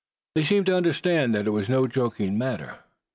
They seemed to understand that it was no joking matter.